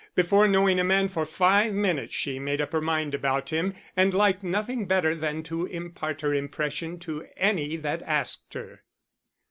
Before knowing a man for five minutes she made up her mind about him, and liked nothing better than to impart her impression to any that asked her.